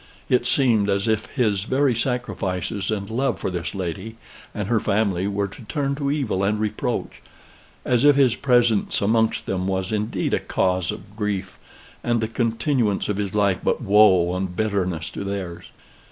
It seemed as if his very sacrifices and love for this lady and her family were to turn to evil and reproach: as if his presence amongst them was indeed a cause of grief, and the continuance of his life but woe and bitterness to theirs.